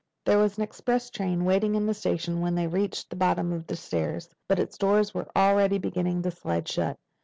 There was an express train waiting in the station when they reached the bottom of the stairs, but its doors were already beginning to slide shut.